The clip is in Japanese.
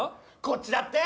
こっちだって。